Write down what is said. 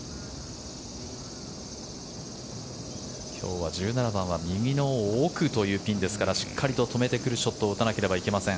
今日は１７番は右の奥というピンですからしっかりと止めてくるショットを打たなければいけません。